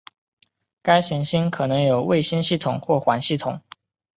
该行星可能有卫星系统或环系统。